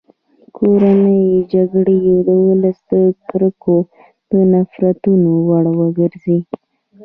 کورنۍ جګړې د ولس د کرکو او نفرتونو وړ وګرځېدې.